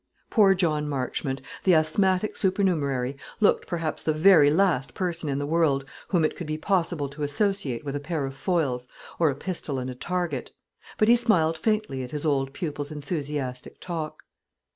Poor John Marchmont, the asthmatic supernumerary, looked perhaps the very last person in the world whom it could be possible to associate with a pair of foils, or a pistol and a target; but he smiled faintly at his old pupil's enthusiastic talk.